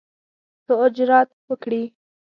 ښه اجرآت وکړي.